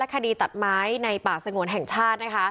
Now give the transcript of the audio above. คดีตัดไม้ในป่าสงวนแห่งชาติ